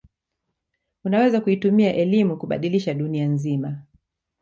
unaweza kuitumia elimu kubadilisha dunia nzima